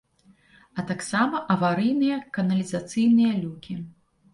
А таксама аварыйныя каналізацыйныя люкі.